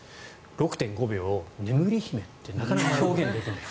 ６．５秒を眠り姫ってなかなか表現できない。